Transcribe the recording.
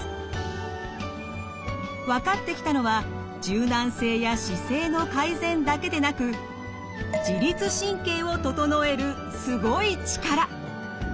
分かってきたのは柔軟性や姿勢の改善だけでなく自律神経を整えるすごい力。